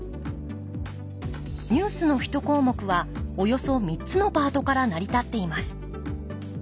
ニュースの１項目はおよそ３つのパートから成り立っています。